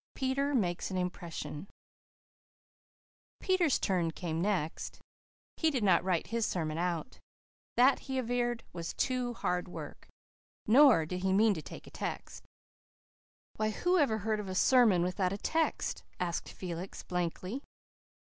PETER MAKES AN IMPRESSION Peter's turn came next. He did not write his sermon out. That, he averred, was too hard work. Nor did he mean to take a text. "Why, who ever heard of a sermon without a text?" asked Felix blankly.